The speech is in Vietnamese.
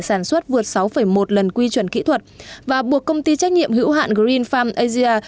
sản xuất vượt sáu một lần quy chuẩn kỹ thuật và buộc công ty trách nhiệm hữu hạn green farm asia